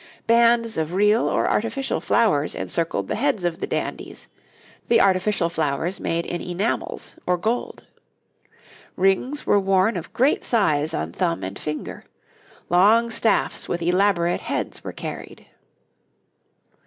Bands of real or artificial flowers encircled the heads of the dandies, the artificial flowers made in enamels or gold. Rings were worn of great size on thumb and finger; long staffs with elaborate heads were carried.